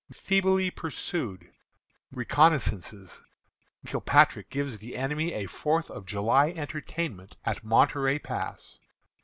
Feebly Pursued. Reconnoissances. Kilpatrick Gives the Enemy a Fourth of July Entertainment at Monterey Pass.